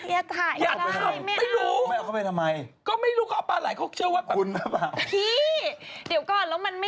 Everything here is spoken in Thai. เอาปลาไหลใส่เข้าไปในท้องน่ะ